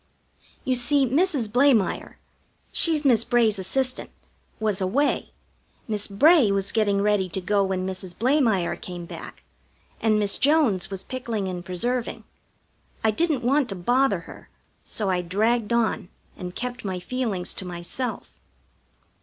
You see, Mrs. Blamire she's Miss Bray's assistant was away; Miss Bray was busy getting ready to go when Mrs. Blamire came back; and Miss Jones was pickling and preserving. I didn't want to bother her, so I dragged on, and kept my feelings to myself.